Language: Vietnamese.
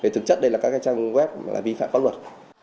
thực chất đây là các trang web là vi phạm pháp luật